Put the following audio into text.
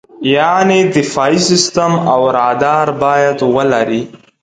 یعنې دفاعي سیستم او رادار باید ولرې.